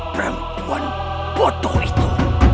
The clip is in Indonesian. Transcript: perempuan bodoh itu